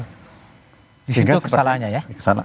di situ kesalahannya ya